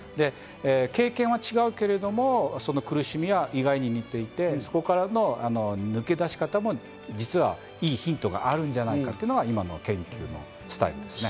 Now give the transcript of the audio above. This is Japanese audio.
経験は違うけれども、苦しみは意外に似ていて、そこからの抜け出し方も実はいいヒントがあるんじゃないかというのが今の研究のスタイルですね。